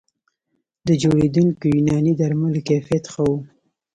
د جوړېدونکو یوناني درملو کیفیت ښه و